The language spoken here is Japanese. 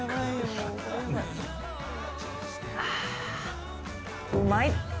あー、うまい。